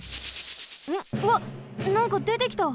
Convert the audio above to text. うわっなんかでてきた。